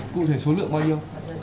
cụ thể số lượng bao nhiêu